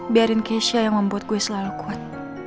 biarin keisha yang membuat gue selalu kuat